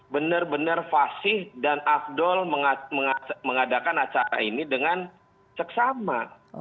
benar benar fasih dan afdol mengadakan acara ini dengan seksama